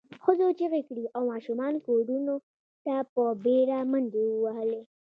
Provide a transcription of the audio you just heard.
ښځو چیغې کړې او ماشومانو کورونو ته په بېړه منډې ووهلې.